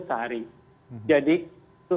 sehari jadi itu